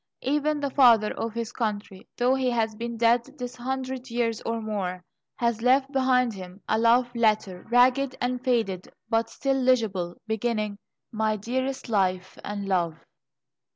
Even the Father of his Country, though he has been dead this hundred years or more, has left behind him a love letter, ragged and faded, but still legible, beginning: "My Dearest Life and Love."